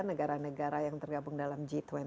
negara negara yang tergabung dalam g dua puluh